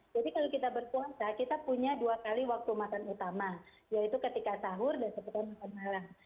jadi kalau kita berpuasa kita punya dua kali waktu makan utama yaitu ketika sahur dan sebetulnya makan malam